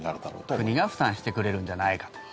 国が負担してくれるんじゃないかと。